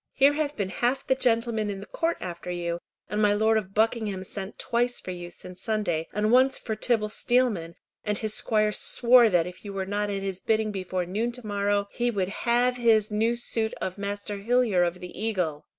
Here have been half the gentlemen in the Court after you, and my Lord of Buckingham sent twice for you since Sunday, and once for Tibble Steelman, and his squire swore that if you were not at his bidding before noon to morrow, he would have his new suit of Master Hillyer of the Eagle."